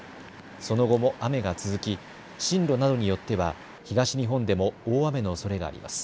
その後も雨が続き、進路などによっては東日本でも大雨のおそれがあります。